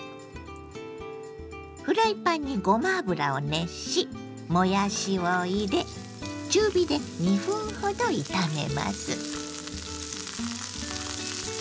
フライパンにごま油を熱しもやしを入れ中火で２分ほど炒めます。